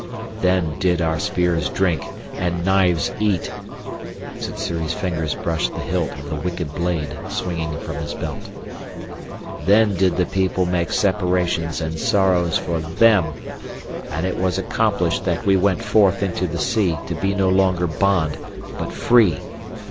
"Then did our spears drink, and knives eat!" Sssuri's fingers brushed the hilt of the wicked blade swinging from his belt. "Then did the People make separations and sorrows for them! And it was accomplished that we went forth into the sea to be no longer bond but free.